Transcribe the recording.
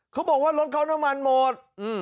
เขาบอกว่ารถเขาน้ำมันหมด